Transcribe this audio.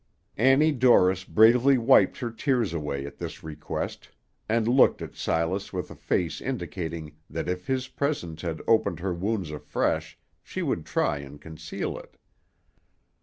Annie Dorris bravely wiped her tears away at this request, and looked at Silas with a face indicating that if his presence had opened her wounds afresh, she would try and conceal it.